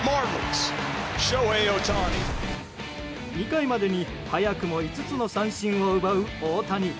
２回までに早くも５つの三振を奪う大谷。